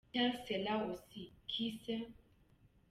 Tel serait aussi – qui sait?